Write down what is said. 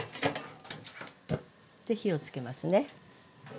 で火を付けますね。